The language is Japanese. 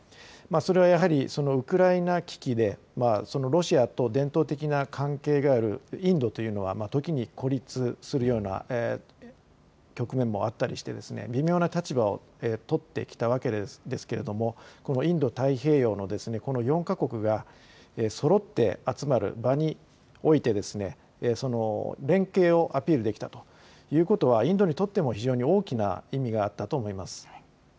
それはやはりウクライナ危機で、ロシアと伝統的な関係があるインドというのは、時に孤立するような局面もあったりして、微妙な立場を取ってきたわけですけれども、このインド太平洋のこの４か国がそろって集まる場において、連携をアピールできたということは、インドにとっても非常に大きな意味があったと思います。